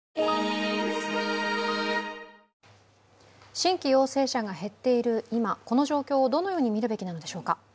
新規陽性者が減っている今、この状況をどのように見るべきなのでしょうか。